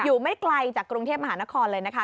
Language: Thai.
ไม่ไกลจากกรุงเทพมหานครเลยนะคะ